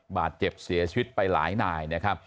บาดเจ็บเสียชีวิตไปหลายนายนะครับ